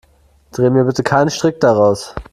Dreh mir bitte keinen Strick daraus.